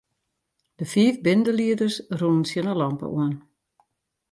De fiif bindelieders rûnen tsjin 'e lampe oan.